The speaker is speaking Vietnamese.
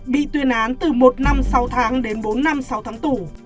bị tuyên án từ một năm sáu tháng đến bốn năm sáu tháng tù